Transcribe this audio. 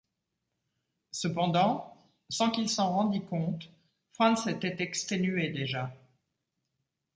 Cependant, sans qu’il s’en rendît compte, Franz était exténué déjà.